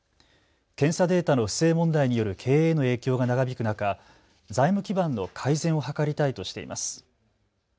検査データの不正問題による経営への影響が長引く中、財務基盤の改善を図りたいとしています。